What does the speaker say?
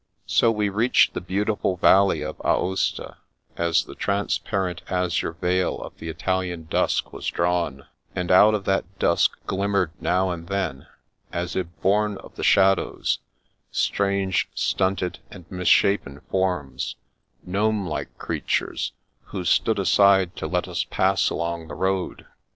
So we reached the beautiful valley of Aosta, as the transparent azure veil of the Italian dusk was drawn, and out of that dusk glimmered now and then, as if bom of the shadows, strange, stunted, and misshapen forms, gnome like creatures, who stood iaside to let us pass along the road.